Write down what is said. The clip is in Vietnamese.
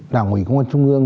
đảng ủy công an trung ương